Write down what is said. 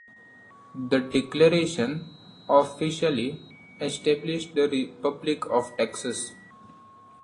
The declaration officially established the Republic of Texas.